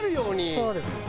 そうです。